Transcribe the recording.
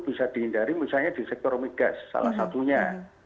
bisa dihindari misalnya di sekretari omnigas salah satunya